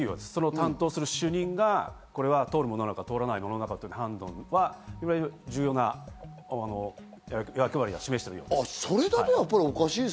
担当する主任の方が通るか通らないかという判断で重要な役割を示しているんです。